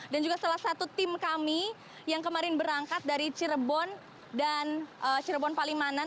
dan juga salah satu tim kami yang kemarin berangkat dari cirebon dan cirebon palimanan